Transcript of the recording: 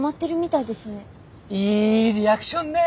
いいリアクションね。